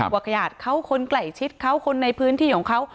ขยาดเขาคนใกล้ชิดเขาคนในพื้นที่ของเขา